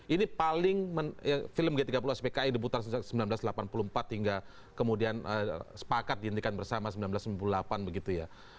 ini paling film g tiga puluh spki diputar sejak seribu sembilan ratus delapan puluh empat hingga kemudian sepakat dihentikan bersama seribu sembilan ratus sembilan puluh delapan begitu ya